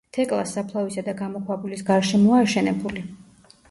თეკლას საფლავისა და გამოქვაბულის გარშემოა აშენებული.